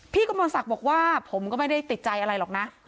กมลศักดิ์บอกว่าผมก็ไม่ได้ติดใจอะไรหรอกนะ